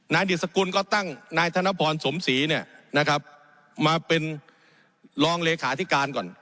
ดิสกุลก็ตั้งนายธนพรสมศรีเนี่ยนะครับมาเป็นรองเลขาธิการก่อน